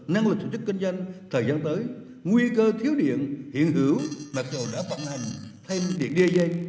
năng lực tổ chức kinh doanh thời gian tới nguy cơ thiếu điện hiện hữu mặc dù đã vận hành thêm điện điện dây